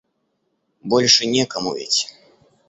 Больше некому ведь?